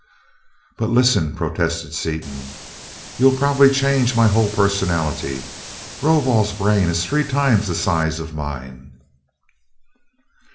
"But listen!" protested Seaton, "You'll probably change my whole personality! Rovol's brain is three times the size of mine."